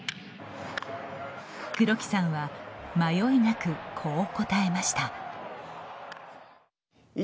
黒木さんは迷いなくこう答えました。